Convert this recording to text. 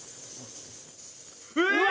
うわ！